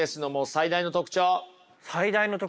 最大の特徴？